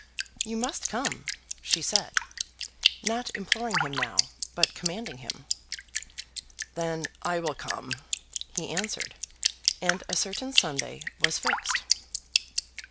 "You must come," she said, not imploring him now but commanding him. "Then I will come," he answered, and a certain Sunday was fixed.